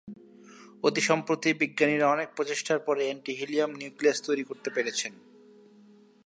অতি সম্প্রতি বিজ্ঞানীরা অনেক প্রচেষ্টার পরে এন্টি-হিলিয়াম নিউক্লিয়াস তৈরি করতে পেরেছেন।